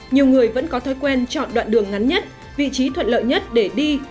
nhiều người vẫn có thói quen chọn đoạn đường ngắn nhất vị trí thuận lợi nhất để đi